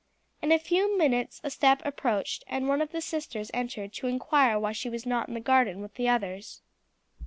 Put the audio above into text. In a few minutes a step approached, and one of the sisters entered to inquire why she was not in the garden with the others.